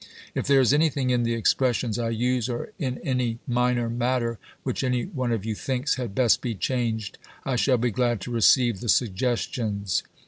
If there is anything in the expressions I use, or in any minor matter, which any one of you thinks had best be changed, I shall be glad to receive the sugges tions.